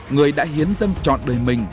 người đã hiến dân chọn đời mình